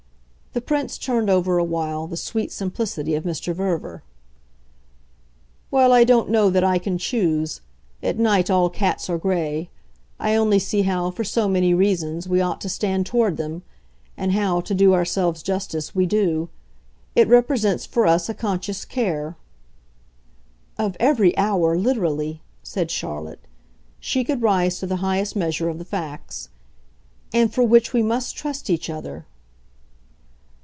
The Prince turned over a while the sweet simplicity of Mr. Verver. "Well, I don't know that I can choose. At night all cats are grey. I only see how, for so many reasons, we ought to stand toward them and how, to do ourselves justice, we do. It represents for us a conscious care " "Of every hour, literally," said Charlotte. She could rise to the highest measure of the facts. "And for which we must trust each other